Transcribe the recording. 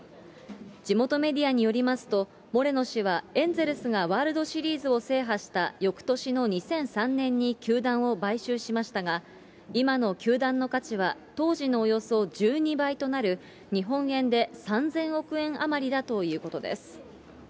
地元メディアによりますと、モレノ氏はエンゼルスがワールドシリーズを制覇したよくとしの２００３年に球団を買収しましたが、今の球団の価値は当時のおよそ１２倍となる、日本円で３０００億円余りだということです。